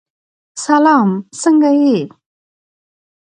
سلام! څنګه یې؟